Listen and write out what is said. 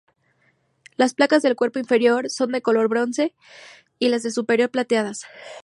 Las placas del cuerpo inferior son de color bronce y las del superior, plateadas.